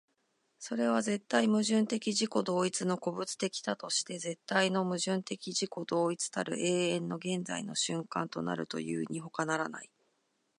それは絶対矛盾的自己同一の個物的多として絶対の矛盾的自己同一たる永遠の現在の瞬間となるというにほかならない。